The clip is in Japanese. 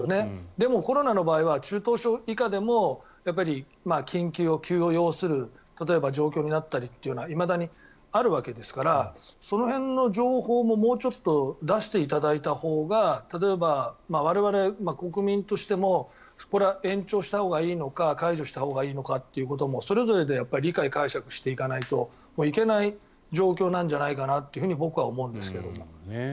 でもコロナの場合は中等症以下でもやっぱり急を要する例えば状況になったりといういまだにあるわけですからその辺の情報ももうちょっと出していただいたほうが例えば、我々国民としてもこれは延長したほうがいいのか解除したほうがいいのかってこともそれぞれで理解・解釈していかないといけない状況なんじゃないかなって僕は思うんですけど。